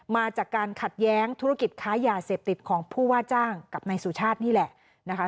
มาจากการขัดแย้งธุรกิจค้ายาเสพติดของผู้ว่าจ้างกับนายสุชาตินี่แหละนะคะ